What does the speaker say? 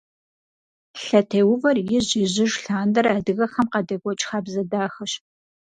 Лъэтеувэр ижь-ижьыж лъандэрэ адыгэхэм къадекӀуэкӀ хабзэ дахэщ.